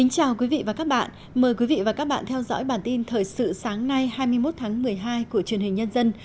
chào mừng quý vị đến với bản tin thời sự sáng nay hai mươi một tháng một mươi hai của truyền hình nhân dân